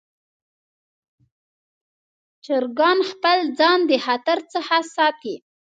چرګان خپل ځان د خطر څخه ساتي.